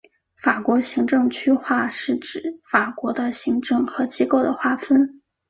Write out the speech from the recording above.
法国行政区划是指法国的行政和机构的划分。